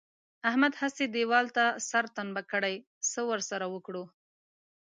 احمد هسې دېوال ته سر ټنبه کړی دی؛ څه ور سره وکړو؟!